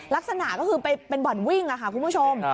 ลักษณะก็คือเป็นบ่อนวิ่งค่ะคุณผู้ชม